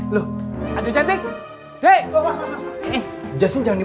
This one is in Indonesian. loh anjing cantik